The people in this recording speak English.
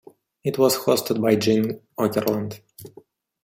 It was hosted by Gene Okerlund.